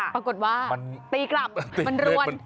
ปรากฏว่าตีกลับมันรวน